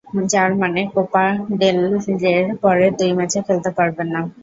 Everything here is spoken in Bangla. যার মানে কোপা ডেল রের পরের দুই ম্যাচে খেলতে পারবেন না।